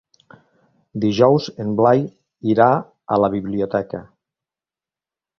Dijous en Blai irà a la biblioteca.